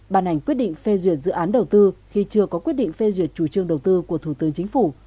bàn hành quyết định phê duyệt dự án đầu tư khi chưa có quyết định phê duyệt chủ trương đầu tư của thủ tướng chính phủ